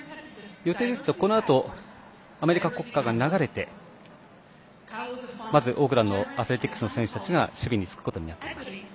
予定ですと、このあとアメリカの国歌が流れてまず、オークランド・アスレティックスの選手たちが守備につくことになっています。